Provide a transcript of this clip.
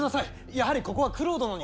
やはりここは九郎殿に。